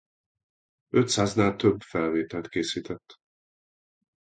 Ötszáznál több felvételt készített.